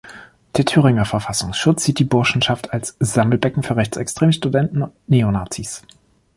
Der Thüringer Verfassungsschutz sieht die Burschenschaft als „Sammelbecken für rechtsextreme Studenten und Neonazis“.